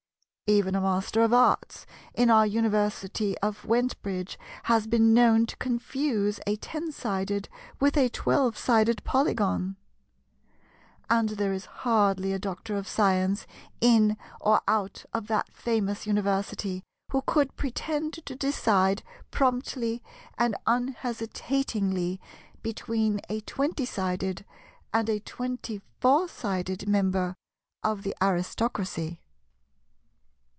Even a Master of Arts in our University of Wentbridge has been known to confuse a ten sided with a twelve sided Polygon; and there is hardly a Doctor of Science in or out of that famous University who could pretend to decide promptly and unhesitatingly between a twenty sided and a twenty four sided member of the Aristocracy.